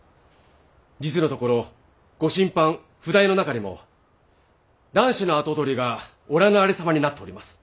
実のところご親藩譜代の中にも男子の跡取りがおらぬありさまになっております。